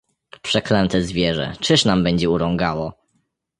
"Przeklęte zwierzę, czyż nam będzie urągało?"